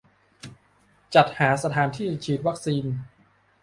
-จัดหาสถานที่ฉีดวัคซีน